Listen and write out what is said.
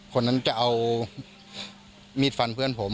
คนนั้นจะเอามีดฟันเพื่อนผม